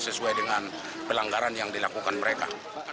sesuai dengan pelanggaran yang dilakukan mereka